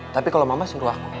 tapi kalau mama suruh aku